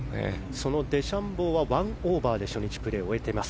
そのデシャンボーは１オーバーで初日のプレーを終えています。